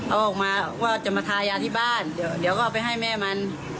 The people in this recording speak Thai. เอาออกมาว่าจะมาทายาที่บ้านเดี๋ยวก็เอาไปให้แม่มัน